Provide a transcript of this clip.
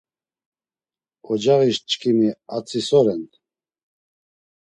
Ocaği çkimi atzi so ren?